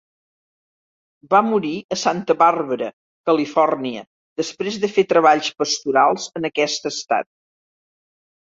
Va morir a Santa Bàrbara, Califòrnia, després de fer treballs pastorals en aquest estat.